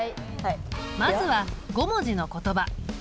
まずは５文字の言葉。